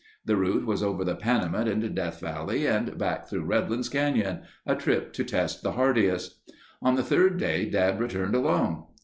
The route was over the Panamint into Death Valley and back through Redlands Canyon—a trip to test the hardiest. On the third day Dad returned alone.